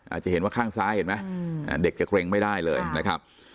อาจจะเห็นว่าข้างซ้ายเห็นไหมเด็กจะเกร็งไม่ได้เลยนะครับ